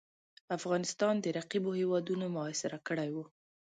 افغانستان د رقیبو هیوادونو محاصره کړی وو.